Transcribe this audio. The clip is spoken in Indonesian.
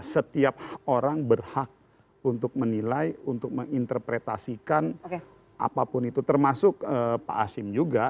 setiap orang berhak untuk menilai untuk menginterpretasikan apapun itu termasuk pak asyim juga